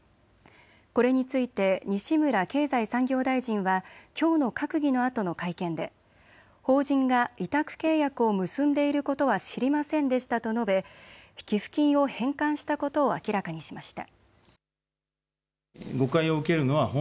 これについて西村経済産業大臣はきょうの閣議のあとの会見で法人が委託契約を結んでいることは知りませんでしたと述べ寄付金を返還したことを明らかにしました。